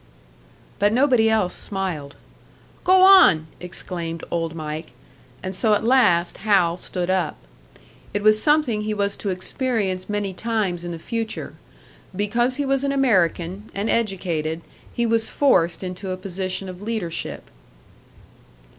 But nobody else smiled. "Go on!" exclaimed old Mike; and so at last Hal stood up. It was something he was to experience many times in the future; because he was an American, and educated, he was forced into a position of leadership.